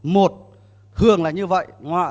một thường là như vậy